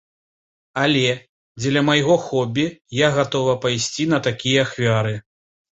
Але дзеля майго хобі я гатова пайсці на такія ахвяры.